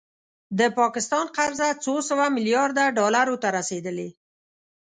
د پاکستان قرضه څو سوه میلیارده ډالرو ته رسیدلې